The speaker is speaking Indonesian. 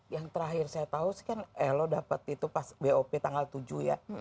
yang terakhir saya tahu sih kan elo dapat itu pas bop tanggal tujuh ya